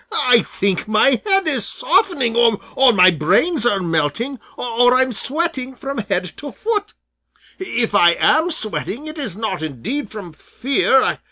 I think my head is softening, or my brains are melting, or I am sweating from head to foot! If I am sweating it is not indeed from fear.